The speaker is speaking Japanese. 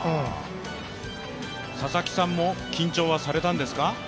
佐々木さんも緊張はされたんですか？